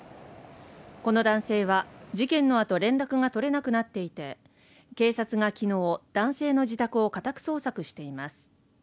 この男性は事件のあと連絡が取れなくなっていて警察がきのう男性の自宅を家宅捜索しています